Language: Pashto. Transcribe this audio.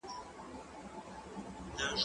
زه اوس ليکلي پاڼي ترتيب کوم،